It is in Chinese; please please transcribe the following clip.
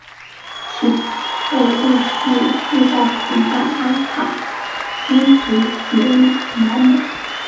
其后陆续遇到同伴阿帕因及毛美。